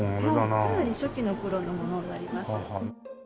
かなり初期の頃のものになります。